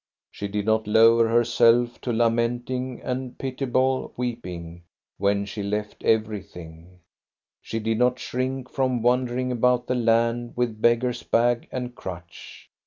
She did not lower herself to lamenting and pitiable weeping when she left everything; she did not shrink from wandering about the land with beg gar's bag and crutch.